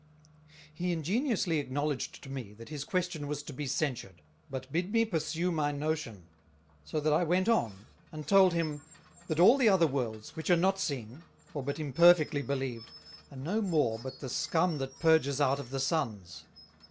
He ingeniously acknowledged to me that his Question was to be censured, but bid me pursue my notion: So that I went on, and told him, That all the other Worlds, which are not seen, or but imperfectly believed, are no more but the Scum that purges out of the Suns.